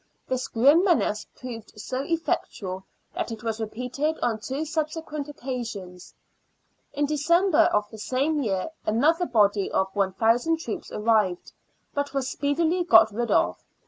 This grim menace proved so effectual that it was repeated on two subsequent occasions. In December of the same year another body of one thousand troops arrived, but was speedily got rid of.